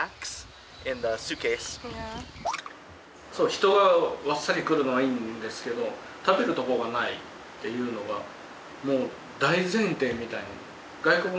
人がわっさり来るのはいいんですけど食べるとこがないっていうのはもう大前提みたいな。